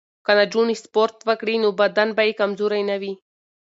که نجونې سپورت وکړي نو بدن به یې کمزوری نه وي.